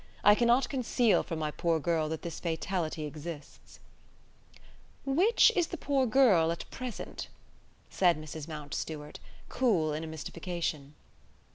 I cannot conceal from my poor girl that this fatality exists ..." "Which is the poor girl at present?" said Mrs. Mountstuart, cool in a mystification.